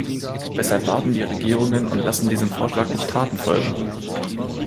Weshalb warten die Regierungen und lassen diesem Vorschlag nicht Taten folgen?